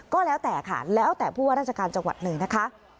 ก็แล้วแต่ค่ะแล้วแต่พวกราชการจังหวัดหนึ่งนะคะ